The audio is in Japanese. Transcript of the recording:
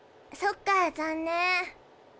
そっか残念。